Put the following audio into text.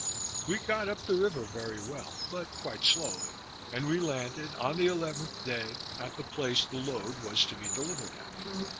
We got up the river very well, but quite slowly; and we landed, on the eleventh day, at the place the load was to be delivered at.